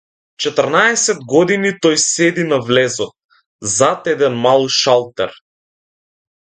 Четрнаесет години тој седи на влезот, зад еден мал шалтер.